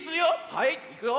はいいくよ。